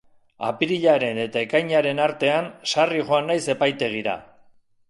Apirilaren eta ekainaren artean sarri joan naiz epaitegira.